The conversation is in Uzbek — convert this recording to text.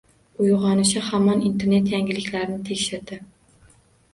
Uyg`onishi hamon internet yangiliklarini tekshirdi